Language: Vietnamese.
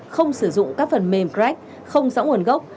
không sử dụng các phần mềm crack không giãn nguồn gốc